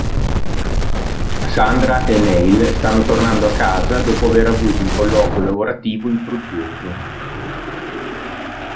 Sandra e Neil stanno tornando a casa dopo aver avuto un colloquio lavorativo infruttuoso.